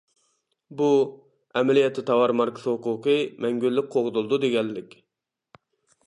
بۇ، ئەمەلىيەتتە تاۋار ماركىسى ھوقۇقى مەڭگۈلۈك قوغدىلىدۇ دېگەنلىك.